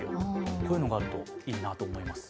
こういうのがあるといいなと思います。